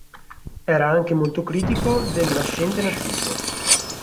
Era anche molto critico del nascente nazismo.